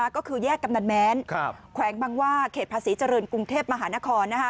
ก็คือแยกกำนันแม้นแขวงบางว่าเขตภาษีเจริญกรุงเทพมหานคร